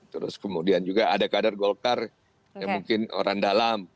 terus kemudian juga ada kader golkar yang mungkin orang dalam